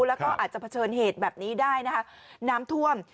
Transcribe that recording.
แล้วก็อาจจะเผชิญเหตุแบบนี้ได้นะครับ